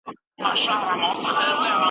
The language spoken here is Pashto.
هغه ټولنه چي مطالعه کوي پرمختګ کوي.